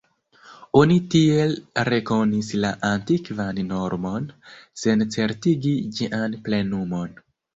Oni tiel rekonis la antikvan normon, sen certigi ĝian plenumon.